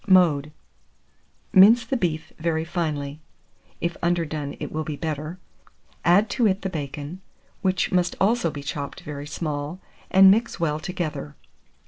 Mode. Mince the beef very finely (if underdone it will be better), add to it the bacon, which must also be chopped very small, and mix well together.